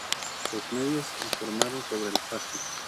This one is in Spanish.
Los medios informaron sobre el caso.